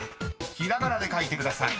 ［ひらがなで書いてください］